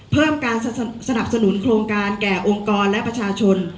เพิ่มการสนับสนุนโครงการแก่องค์กรและประชาชน